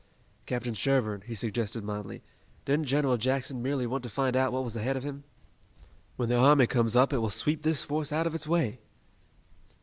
"Captain Sherburne," he suggested mildly, "didn't General Jackson merely want to find out what was ahead of him? When the army comes up it will sweep this force out of its way."